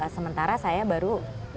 sementara saya baru